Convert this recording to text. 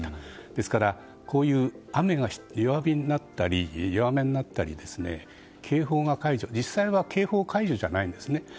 ですから、こういう雨が弱めになったりですね警報が解除されたり実際は警報解除じゃないんですね。